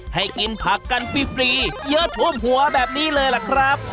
ให้กินผักกันฟรีเยอะท่วมหัวแบบนี้เลยล่ะครับ